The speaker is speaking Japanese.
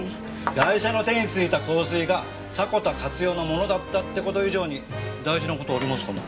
ガイシャの手についた香水が迫田勝代のものだったって事以上に大事な事ありますかね？